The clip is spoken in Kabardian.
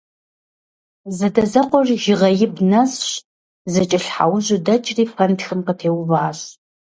Зэадэзэкъуэр Жьыгъэибг нэсщ, зэкӀэлъхьэужьу дэкӀри пэнтхым къытеуващ.